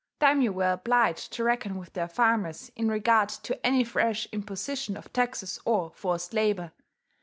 Daimyo were obliged to reckon with their farmers in regard to any fresh imposition of taxes or forced labour.